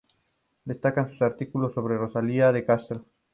Destacan sus artículos sobre Rosalía de Castro.